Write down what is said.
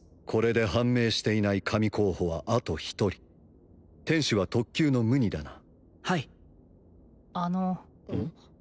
これで判明していない神候補はあと１人天使は特級のムニだなはいあのうん？